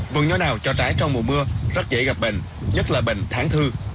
vườn nho nào cho trái trong mùa mưa rất dễ gặp bệnh nhất là bệnh tháng thư